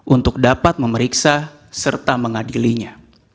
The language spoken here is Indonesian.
untuk dapat memeriksa serta mengadilinya